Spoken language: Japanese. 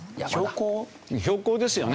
標高ですよね。